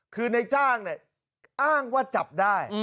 คือในจ้างเนี่ยอ้างว่าจับได้